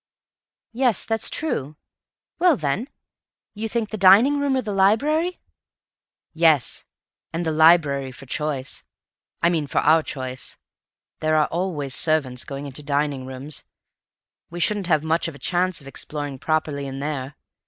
"Yes, that's true. Well, then, you think the dining room or the library?" "Yes. And the library for choice. I mean for our choice. There are always servants going into dining rooms. We shouldn't have much of a chance of exploring properly in there.